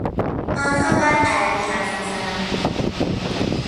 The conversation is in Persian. آنها بد عربی حرف میزنند.